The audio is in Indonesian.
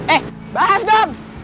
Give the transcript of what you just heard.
eh bahas dong